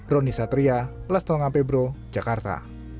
roni satria plastonga pebro jakarta